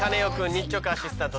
日直アシスタント